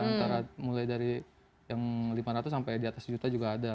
antara mulai dari yang lima ratus sampai di atas juta juga ada